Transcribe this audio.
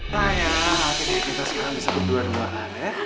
nah ya akhirnya kita sekarang bisa berdua dua aja